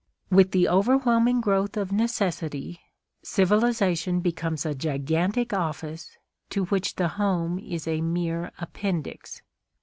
With the overwhelming growth of necessity, civilisation becomes a gigantic office to which the home is a mere appendix.